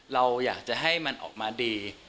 เราอยากจะให้มันออกมาดี